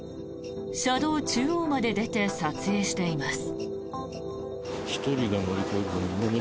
車道中央まで出て撮影しています。